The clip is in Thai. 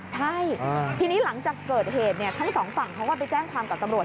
ใช่ทีนี้หลังจากเกิดเหตุทั้งสองฝั่งเขาก็ไปแจ้งความกับตำรวจ